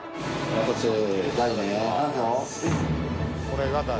これが「大」